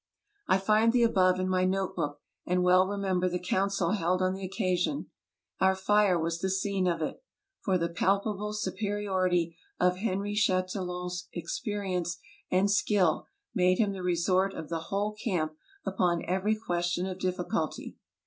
I find the above in my note book, and well remember the council held on the occasion. Our fire was the scene of it; 82 TRAVELERS AND EXPLORERS for the palpable superiority of Henry Chatillon's experience and skill made him the resort of the whole camp upon every question of difficulty.